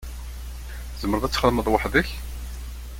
Tzemreḍ ad txedmeḍ weḥd-k?